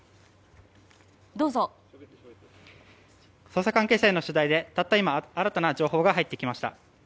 捜査関係者への取材でたった今、新たな情報が入ってきました。